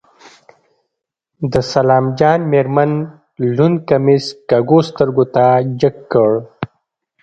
د سلام جان مېرمن لوند کميس کږو سترګو ته جګ کړ.